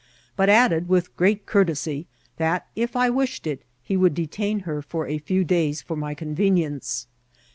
Imt added, with great courtesy, that, if I wished it, he would detain her a few days for my convenience.